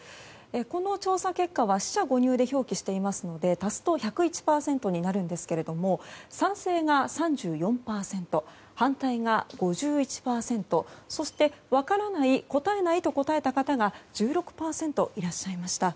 この調査結果は四捨五入で表記していますので足すと１０１％になるんですけれども賛成が３４％、反対が５１％そして分からない、答えないと答えた方が１６％いらっしゃいました。